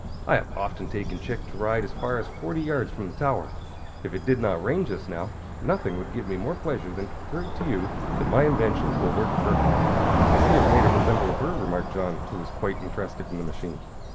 "I have often taken Chick to ride as far as forty yards from the tower. If it did not rain, just now, nothing would give me more pleasure than to prove to you that my invention will work perfectly." "I see you have made it resemble a bird," remarked John, who was quite interested in the machine.